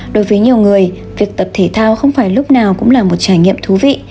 đối với nhiều người việc tập thể thao không phải lúc nào cũng là một trải nghiệm thú vị